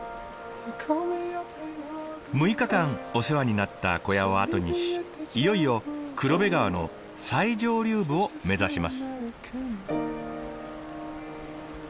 ６日間お世話になった小屋を後にしいよいよ黒部川の最上流部を目指します。